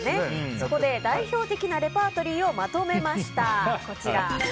そこで代表的なレパートリーをまとめました。